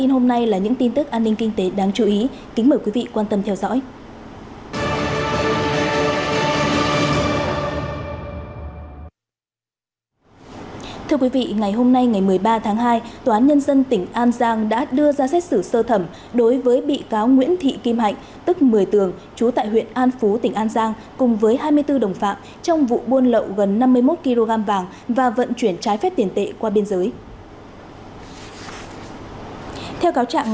hãy đăng ký kênh để ủng hộ kênh của chúng mình nhé